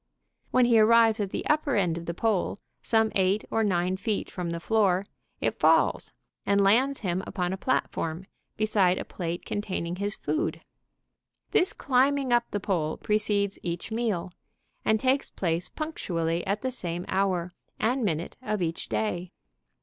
When he arrives at the upper end of the pole, some eight or nine feet from the floor, it falls and lands him upon a platform, beside a plate containing his food. This climbing up the pole precedes each meal, and takes place punctually at the same hour and minute of each day.